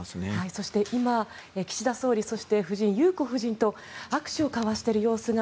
そして今、岸田総理そして裕子夫人と握手を交わしている様子が